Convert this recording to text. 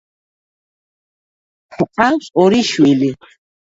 ჰყავს ორი შვილი.